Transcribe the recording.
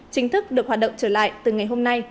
chính thức được hoạt động trở lại từ ngày hôm nay